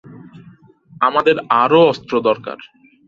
আমাদের আরো অস্ত্র দরকার।